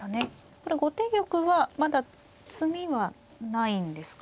これ後手玉はまだ詰みはないんですか。